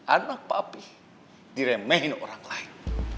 anak papi diremehin orang lain